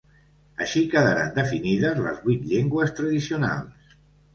Així quedaren definides les vuit llengües tradicionals.